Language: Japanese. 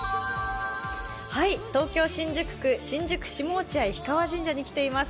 東京・新宿区新宿、氷川神社に来ています。